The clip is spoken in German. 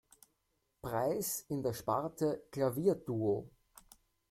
Preis in der Sparte Klavierduo.